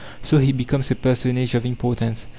So he becomes a personage of importance.